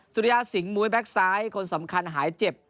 สุริยาสิงหมวยแบ็คซ้ายคนสำคัญหายเจ็บ